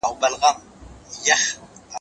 زه به سبا کتابونه ليکم،